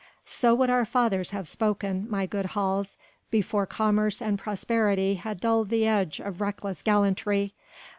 So would our fathers have spoken, my good Hals, before commerce and prosperity had dulled the edge of reckless gallantry.